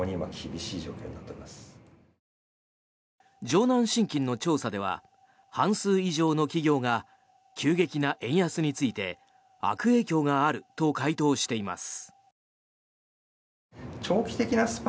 城南信金の調査では半数以上の企業が急激な円安について悪影響があると回答しています。